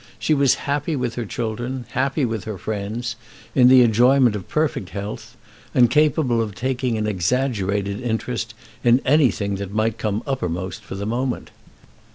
She was happy with her children, happy with her friends, in the enjoyment of perfect health, and capable of taking an exaggerated interest in anything that might come uppermost for the moment.